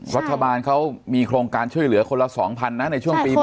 รัฐบาลเขามีโครงการช่วยเหลือคนละ๒๐๐๐นะในช่วงปี๖๐